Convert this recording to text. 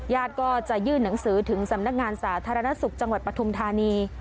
ญาติก็จะยื่นหนังสือถึงสำนักงานสาธารณสุขจังหวัดปฐุมธานี